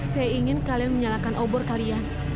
saya ingin kalian menyalakan obor kalian